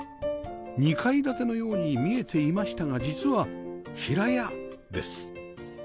２階建てのように見えていましたが実は平屋です